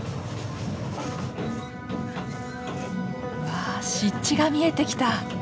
わあ湿地が見えてきた！